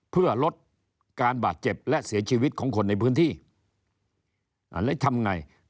เพื่อลดการบาดเจ็บและเสียชีวิตของคนในพื้นที่และทำไง